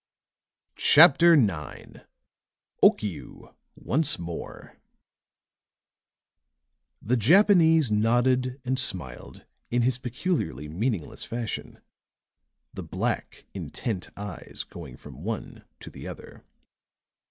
CHAPTER IX OKIU ONCE MORE The Japanese nodded and smiled in his peculiarly meaningless fashion, the black, intent eyes going from one to the other.